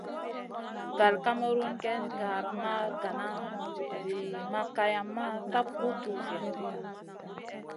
Gal ma kamerun géyn gara ma gana Zi ma kayamma tap guʼ tuwziya.